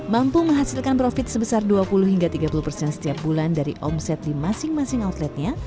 mampu menghasilkan profit sebesar dua puluh hingga tiga puluh persen setiap bulan dari omset di masing masing outletnya